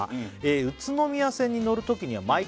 「宇都宮線に乗るときには毎回」